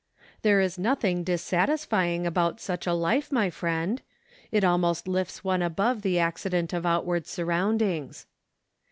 There is nothing dissatisfying about such a life, my friend. It almost lifts one above the accident of outward surroundings.